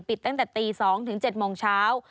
ปิดตั้งแต่ตี๒๐๐ถึง๗๐๐นเช้า